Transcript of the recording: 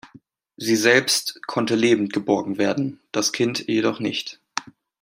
Sie selbst konnte lebend geborgen werden, das Kind jedoch nicht.